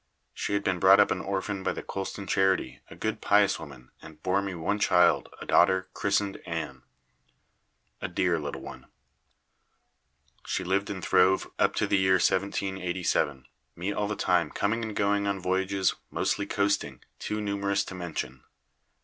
She had been brought up an orphan by the Colston Charity; a good pious woman, and bore me one child, a daughter, christened Ann a dear little one. She lived and throve up to the year 1787, me all the time coming and going on voyages, mostly coasting, too numerous to mention.